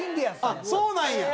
あっそうなんや！